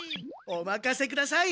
おまかせください！